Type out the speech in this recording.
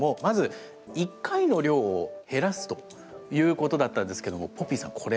まず１回の量を減らすということだったんですけどもポピーさん